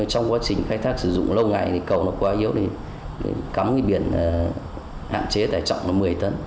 trong quá trình khai thác sử dụng lâu ngày thì cầu nó quá yếu cắm biển hạn chế tải trọng một mươi tấn